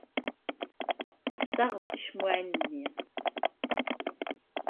Tessaɣeḍ ticemmaɛin-nni.